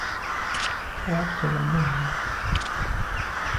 À wat nkelo nèn yi.